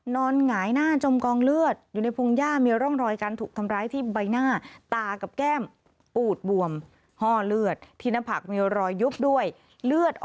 นอนหงายหน้าจมกองเลือด